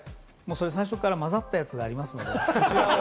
最初から混ざったやつがありますので。